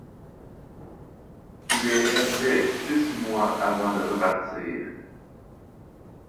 Il est restait six mois avant de repartir.